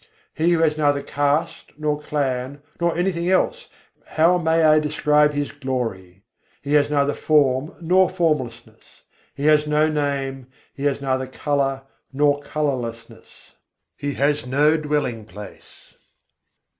He who has neither caste nor clan nor anything else how may I describe His glory? He has neither form nor formlessness, He has no name, He has neither colour nor colourlessness, He has no dwelling place.